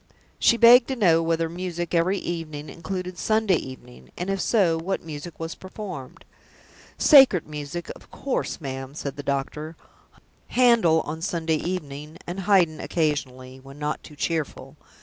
She begged to know whether music "every evening" included Sunday evening; and, if so, what music was performed? "Sacred music, of course, ma'am," said the doctor. "Handel on Sunday evening and Haydn occasionally, when not too cheerful.